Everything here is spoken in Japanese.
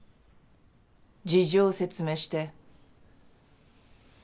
事情を説明して。